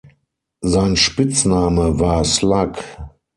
Sein Spitzname war "Slug".